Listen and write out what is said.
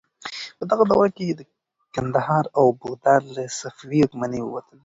په دغه دوره کې کندهار او بغداد له صفوي واکمنۍ ووتل.